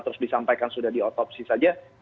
terus disampaikan sudah di otopsi saja